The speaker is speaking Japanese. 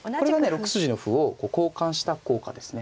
６筋の歩を交換した効果ですね。